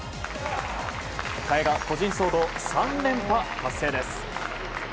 萱が個人総合３連覇達成です。